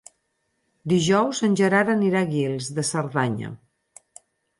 Dijous en Gerard anirà a Guils de Cerdanya.